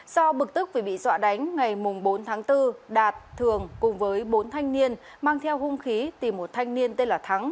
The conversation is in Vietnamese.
do bực tức vì bị dọa đánh ngày bốn tháng bốn đạt thường cùng với bốn thanh niên mang theo hung khí tìm một thanh niên tên là thắng